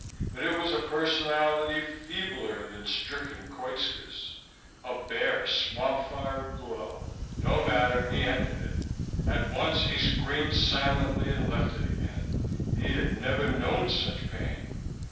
But it was a personality feebler than stricken Koitska's, a bare swampfire glow. No matter. He entered it. At once he screamed silently and left it again. He had never known such pain.